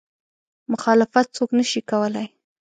مخالفت څوک نه شي کولی.